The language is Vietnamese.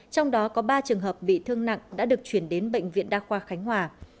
trong đó có ba trường hợp bị thương nặng đã được chuyển đến bệnh viện đa khoa khánh hòa